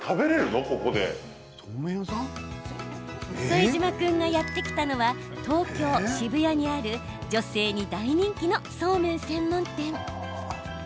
副島君がやって来たのは東京・渋谷にある女性に大人気のそうめん専門店。